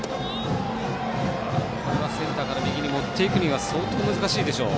これはセンターから右に持っていくには相当難しいでしょう。